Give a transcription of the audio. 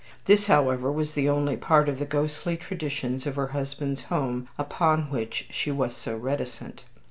This, however, was the only part of the ghostly traditions of her husband's home upon which she was so reticent.